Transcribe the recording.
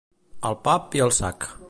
Al pap i al sac.